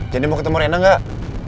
jadi mau ketemu rena gak